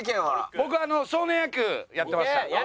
僕少年野球やってました。